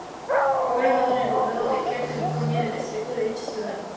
Fue grabado en el Condado de Kern, California, en el desierto de dicha ciudad.